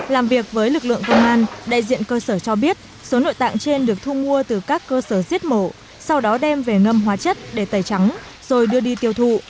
làm việc với lực lượng công an đại diện cơ sở cho biết số nội tạng trên được thu mua từ các cơ sở giết mổ sau đó đem về ngâm hóa chất để tẩy trắng rồi đưa đi tiêu thụ